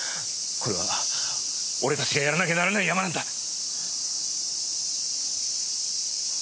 これは俺たちがやらなきゃならないヤマなんだ。